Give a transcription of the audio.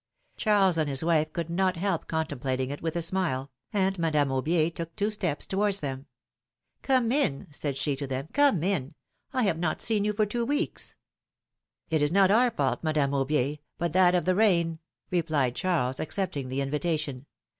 Charles and his wife could not help contemplating it with a smile, and Madame Aubier took tw^o steps towards them. ^^Come in," said she to them; ^^come in! I have not seen you for two weeks." It is not our fault, Madame Aubier, but that of the rain I " replied Charles, accepting the invitation.